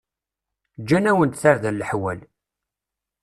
Ǧǧan-awen-d tarda leḥwal.